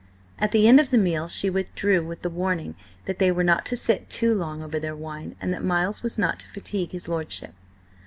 At the end of the meal she withdrew with the warning that they were not to sit too long over their wine, and that Miles was not to fatigue his lordship.